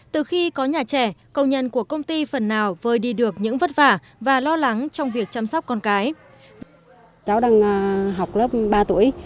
từ khi có nhà trẻ công nhân của công ty phần nào vơi đi được những vất vả và lo lắng trong việc chăm sóc con cái